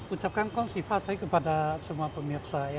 ucapkan kong siva chai kepada semua pemirsa ya